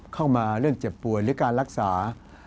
เข้ามาเรื่องเจ็บป่วยหรือการรักษา